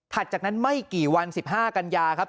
จากนั้นไม่กี่วัน๑๕กันยาครับ